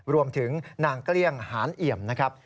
รวมถึงนางเกลี้ยงหานเอี่ยมนะครับ